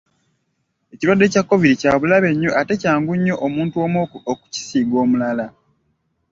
Ekirwadde kya Kovidi kya bulabe nnyo ate kyangu nnyo omuntu omu okukisiiga omulala.